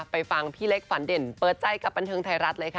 ฟังพี่เล็กฝันเด่นเปิดใจกับบันเทิงไทยรัฐเลยค่ะ